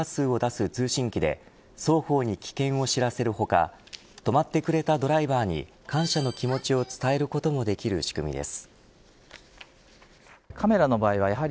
電動自転車と車に設置した専用の周波数を出す通信機で双方に危険を知らせる他止まってくれたドライバーに感謝の気持ちを伝えることもできる仕組みです。